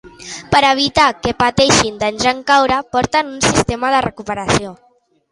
Per evitar que pateixin danys en caure, porten un sistema de recuperació.